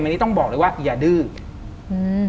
อันนี้ต้องบอกเลยว่าอย่าดื้ออืม